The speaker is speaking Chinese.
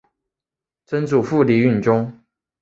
曾祖父李允中。